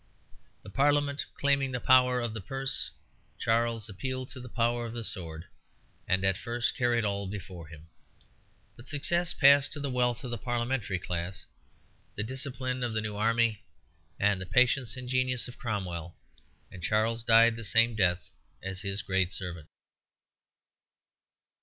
The Parliament claiming the power of the purse, Charles appealed to the power of the sword, and at first carried all before him; but success passed to the wealth of the Parliamentary class, the discipline of the new army, and the patience and genius of Cromwell; and Charles died the same death as his great servant.